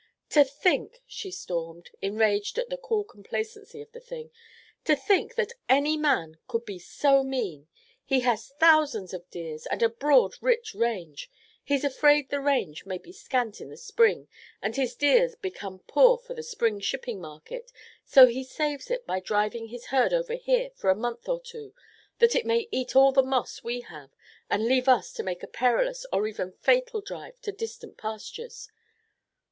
"To think," she stormed, enraged at the cool complacency of the thing, "to think that any man could be so mean. He has thousands of deer, and a broad, rich range. He's afraid the range may be scant in the spring and his deer become poor for the spring shipping market, so he saves it by driving his herd over here for a month or two, that it may eat all the moss we have and leave us to make a perilous or even fatal drive to distant pastures.